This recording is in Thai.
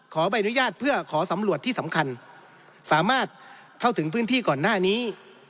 ใบอนุญาตเพื่อขอสำรวจที่สำคัญสามารถเข้าถึงพื้นที่ก่อนหน้านี้